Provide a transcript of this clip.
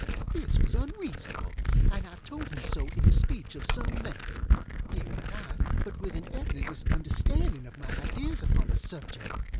This was unreasonable, and I told him so in a speech of some length. He replied, but with an evident misunderstanding of my ideas upon the subject.